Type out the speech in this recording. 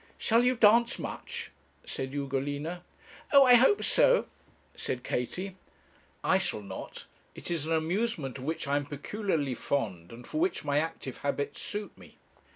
'Shall you dance much?' said Ugolina. 'Oh, I hope so,' said Katie. 'I shall not. It is an amusement of which I am peculiarly fond, and for which my active habits suit me.'